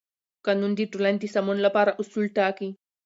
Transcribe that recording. قانون د ټولنې د سمون لپاره اصول ټاکي.